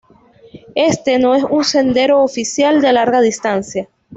Este no es un sendero oficial de larga distancia.